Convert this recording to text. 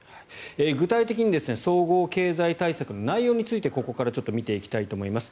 具体的に総合経済対策の内容についてここから見ていきたいと思います。